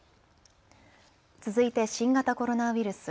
続いて新型コロナウイルス。